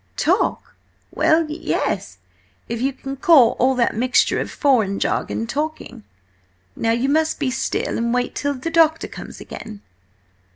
"Talk? Well, yes, if you can call all that mixture of foreign jargon talking. Now you must be still and wait till the doctor comes again."